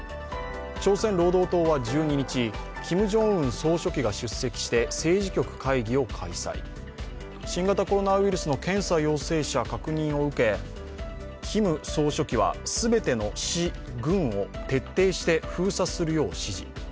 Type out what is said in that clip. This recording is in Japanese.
朝鮮労働党は１２日キム・ジョンウン総書記が出席して政治局会議を開催、新型コロナウイルスの検査陽性者確認を受け、キム総書記は全ての市・郡を徹底して封鎖するよう指示。